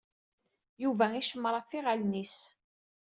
Yuba icemmeṛ ɣef yiɣallen-is.